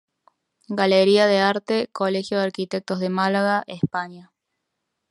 Galería de Arte, Colegio de Arquitectos de Málaga, España.